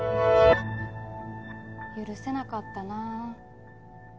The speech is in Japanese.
許せなかったな。